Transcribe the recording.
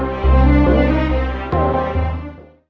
สวรรค์คุณของท่าน